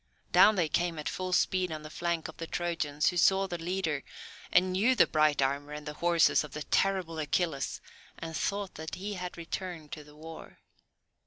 Down they came at full speed on the flank of the Trojans, who saw the leader, and knew the bright armour and the horses of the terrible Achilles, and thought that he had returned to the war.